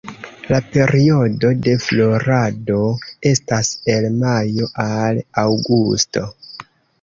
La periodo de florado estas el majo al aŭgusto.